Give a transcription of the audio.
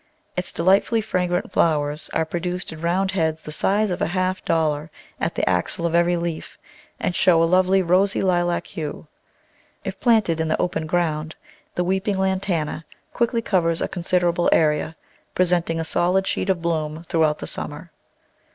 Its delightfully fragrant flowers are pro duced in round heads the size of a half dollar at the axil of every leaf and show a lovely rosy lilac hue. If planted in the open ground the Weeping Lantana quickly covers a considerable area, presenting a solid sheet of bloom throughout the summer.